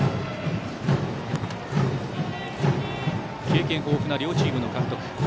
経験豊富な両チームの監督。